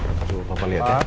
aduh papa lihat ya